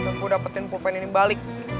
nanti aku dapetin pulpen ini balik